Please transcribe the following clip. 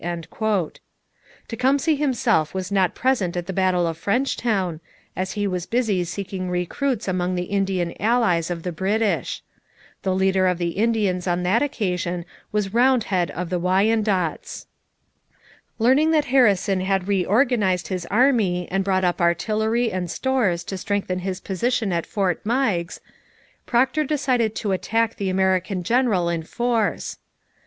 Tecumseh himself was not present at the battle of Frenchtown, as he was busy seeking recruits among the Indian allies of the British. The leader of the Indians on that occasion was Roundhead of the Wyandots. Learning that Harrison had reorganized his army and brought up artillery and stores to strengthen his position at Fort Meigs, Procter decided to attack the American general in force.